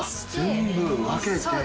全部分けて？